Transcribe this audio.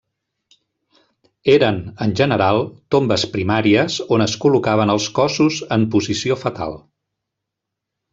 Eren, en general, tombes primàries on es col·locaven els cossos en posició fetal.